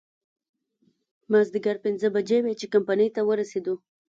مازديګر پينځه بجې وې چې کمپنۍ ته ورسېدو.